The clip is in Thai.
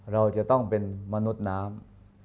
เราจะต้องเป็นมนุษย์น้ำ